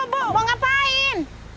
eh bu bu mau ngapain